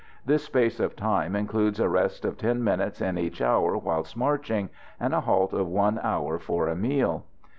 This space of time includes a rest of ten minutes in each hour whilst marching, and a halt of an hour for a meal.